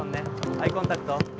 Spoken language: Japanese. アイコンタクト。